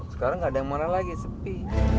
sekarang nggak ada yang marah lagi sepi